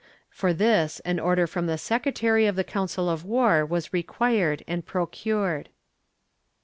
For this an order from the secretary of the Council of War was required and procured.'